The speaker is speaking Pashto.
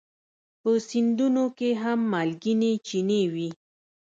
په سیندونو کې هم مالګینې چینې وي.